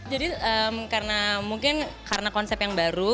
jadi mungkin karena konsep yang baru